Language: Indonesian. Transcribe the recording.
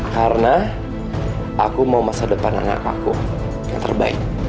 karena aku mau masa depan anak aku yang terbaik